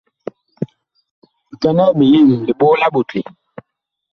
Bikɛnɛg biyem, liɓog la ɓotle.